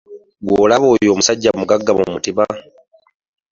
Gw'olaba oyo musajja mugagga mu mutima